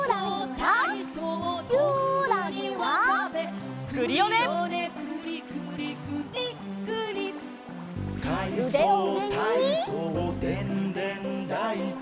「かいそうたいそうでんでんだいこ」